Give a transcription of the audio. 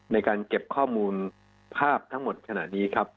ในการเก็บข้อมูลภาพทั้งหมดขณะนี้ครับ